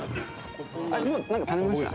もうなんか頼みました？